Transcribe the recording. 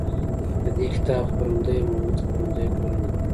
د دې کتاب خپرندویه مومند خپروندویه ټولنه ده.